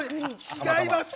違います。